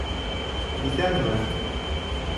Иҫәнме?